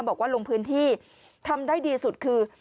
บอกว่าลงพื้นที่ทำได้ดีสุดคือ